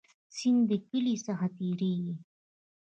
سیند د کلی څخه تیریږي